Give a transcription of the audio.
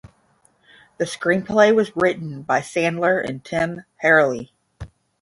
The screenplay was written by Sandler and Tim Herlihy.